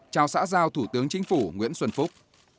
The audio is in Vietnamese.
chào xã giao thủ tướng chính phủ nguyễn xuân phúc